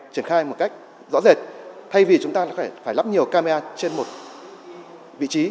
triển khai một cách rõ rệt thay vì chúng ta phải lắp nhiều camera trên một vị trí